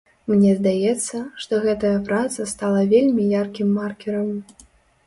Мне здаецца, што гэтая праца стала вельмі яркім маркерам.